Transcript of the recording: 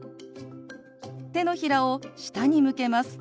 手のひらを下に向けます。